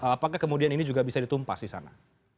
apakah kemudian ini juga bisa ditumpas di sana